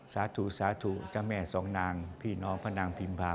สาธุสาธุเจ้าแม่สองนางพี่น้องพระนางพิมพา